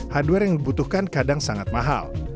hardware yang dibutuhkan kadang sangat mahal